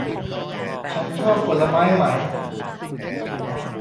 ฉันชอบผลไม้ไหม